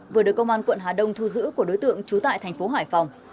vừa được công an quận hà đông thu giữ của đối tượng trú tại thành phố hải phòng